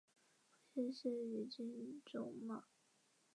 雷佛奴尔又名利凡诺。